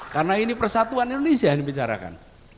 karena ini persatuan indonesia yang dibicarakan